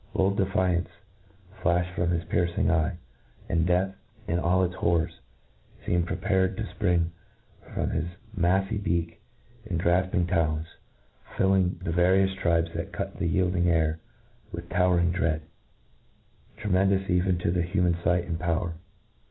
Bold defiance flaflied from his piercing eye, and death, in all its horrors, fcem Hcd prepared to fpring from his maffy beak and grafping talons, filling the various tribes that cut Ae yielding air with cowering dread, and tremeri duous even to human fight and power.